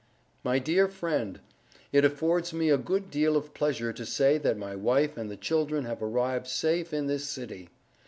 MY DEAR FRIEND: It affords me a good deel of Pleasure to say that my wife and the Children have arrived safe in this City.